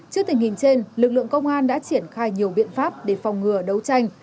trước tình hình trên lực lượng công an đã triển khai nhiều biện pháp để phòng ngừa đấu tranh